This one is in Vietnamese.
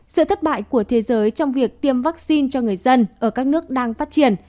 sự thất bại của thế giới trong việc tiêm vaccine cho người dân ở các nước đang phát triển